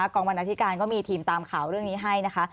วันอธิการก็มีทีมตามข่าวเรื่องนี้ให้นะคะ